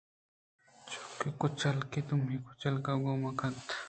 چوکہ کُچکے دومی کُچکے گوما کنت